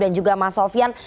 dan juga mas sofyan